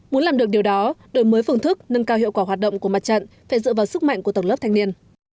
muốn làm được điều đó đổi mới phương thức nâng cao hiệu quả hoạt động của mặt trận phải dựa vào sức mạnh của tầng lớp thanh niên